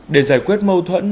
để giải quyết mâu thuẫn